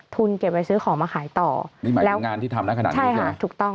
เก็บไว้ซื้อของมาขายต่อนี่หมายถึงงานที่ทำนะขนาดนี้ใช่ไหมถูกต้อง